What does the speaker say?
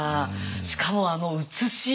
しかもあの写し。